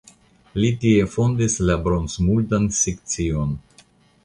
Li tie fondis la bronzmuldan sekcion.